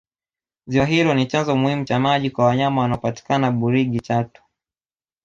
ziwa hilo ni chanzo muhimu cha maji kwa wanyama wanaopatikana burigi chato